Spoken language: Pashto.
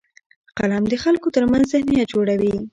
قلم د خلکو ترمنځ ذهنیت جوړوي